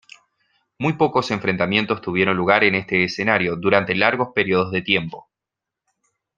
Muy pocos enfrentamientos tuvieron lugar en este escenario durante largos períodos de tiempo.